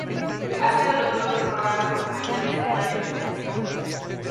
Ha sido el autor de programas documentales en radio y televisión.